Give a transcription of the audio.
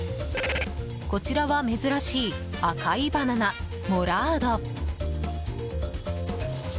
こちらは珍しい赤いバナナ、モラード。